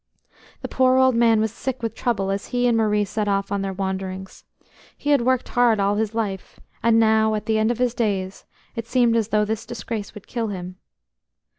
The poor old man was sick with trouble as he and Marie set off on their wanderings. He had worked hard all his life, and now, at the end of his days, it seemed as though this disgrace would kill him.